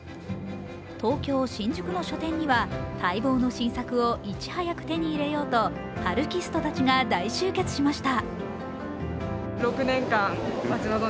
東京・新宿の書店には待望の新作をいち早く手に入れようとハルキストたちが大集結しました。